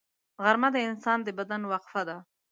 غرمه د انسان د بدن وقفه ده